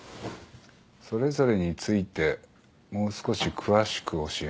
それぞれについてもう少し詳しく教えよう。